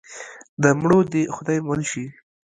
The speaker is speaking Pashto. د مړو دې خدای مل شي.